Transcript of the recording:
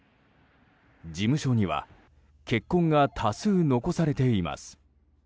事務所には血痕が多数、残されています。